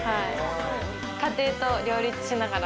家庭と両立しながら。